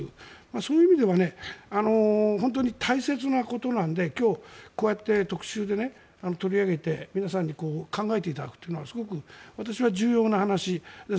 そういう意味では本当に大切なことなので今日、特集で取り上げて、皆さんに考えていただくというのはすごく私は重要な話だと。